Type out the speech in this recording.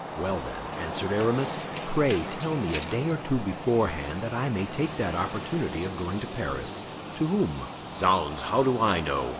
"Well, then," answered Aramis, "pray tell me a day or two beforehand, that I may take that opportunity of going to Paris." "To whom?" "Zounds! how do I know?